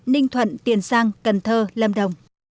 ninh thuận tiền giang cần thơ lâm đồng